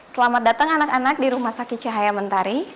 selamat datang anak anak di rumah sakit cahaya mentari